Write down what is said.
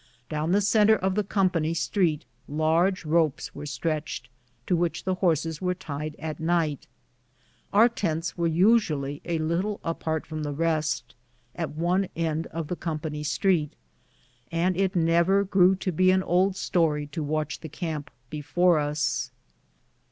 Down the centre of the company street large ropes were stretched, to which the horses were tied at night; our tents were usually a little apart from the rest, at one end of the company street, and it never grew to be an old story to watch the camp before us.